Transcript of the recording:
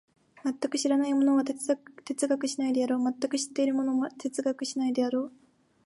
全く知らない者は哲学しないであろう、全く知っている者も哲学しないであろう。